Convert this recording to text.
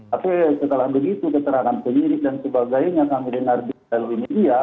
tapi setelah begitu keterangan penyidik dan sebagainya kami dengar di dalam media